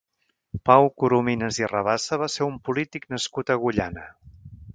Pau Corominas i Rabassa va ser un polític nascut a Agullana.